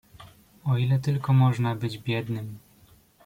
"„O ile tylko można być biednym."